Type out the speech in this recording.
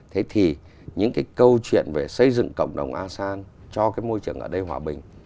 thế thì những cái câu chuyện về xây dựng cộng đồng asean cho cái môi trường ở đây hòa bình